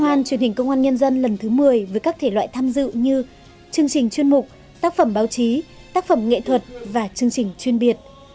công an truyền hình công an nhân dân lần thứ một mươi với các thể loại tham dự như chương trình chuyên mục tác phẩm báo chí tác phẩm nghệ thuật và chương trình chuyên biệt